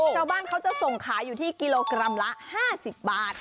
ชาวบ้านเขาจะส่งขายอยู่ที่กิโลกรัมละ๕๐บาท